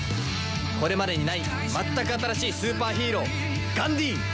これまでにない全く新しいスーパーヒーローガンディーン！